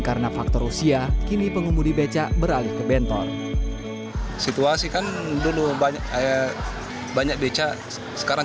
karena faktor usia kini pengemudi becak beralih ke bentor situasikan dulu banyak banyak becak sekarang